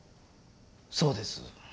そうです。